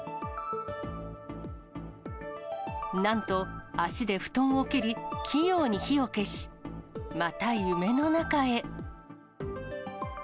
なんと、足で布団を蹴り、器用に火を消し、また夢の中へ。